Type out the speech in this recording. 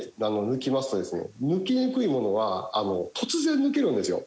抜きにくいものは突然抜けるんですよ